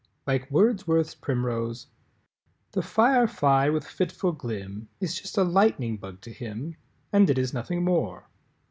… Like Wordsworth's primrose: The Firefly with fitful glim Is just a Lightning Bug to him And it is nothing more.